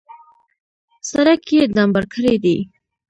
سړک یې ډامبر کړی دی.